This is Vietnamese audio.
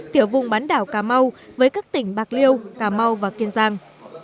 tiểu vùng bán đảo cà mau với các tỉnh bạc liêu cà mau và kiên giang